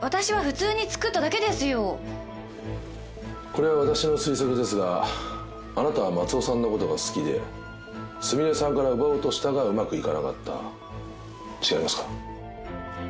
これは私の推測ですがあなたは松尾さんのことが好きでスミレさんから奪おうとしたがうまくいかなかった違いますか？